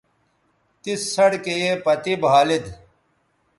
تس سڑکے یے پتے بھالید